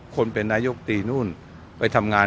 คนเป็นนายกตีนู่นไปทำงาน